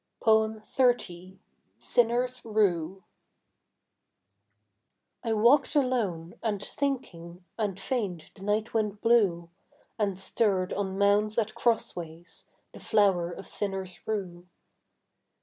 XXX. SINNER'S RUE I walked alone and thinking, And faint the nightwind blew And stirred on mounds at crossways The flower of sinner's rue.